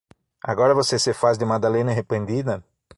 Agora você se faz de Madalena arrependida?